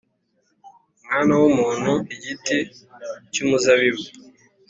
Mwana w’umuntu, igiti cy’umuzabibu